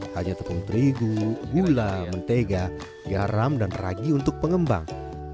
hanya tepung terigu gula mentega garam dan ragi untuk pengembang